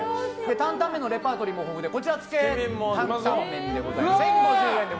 担々麺のレパートリーも豊富でこちら、つけ担々麺、１０５０円。